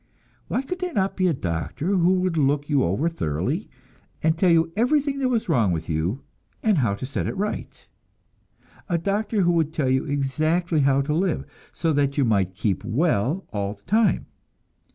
Why could there not be a doctor who would look you over thoroughly, and tell you everything that was wrong with you, and how to set it right? A doctor who would tell you exactly how to live, so that you might keep well all the time!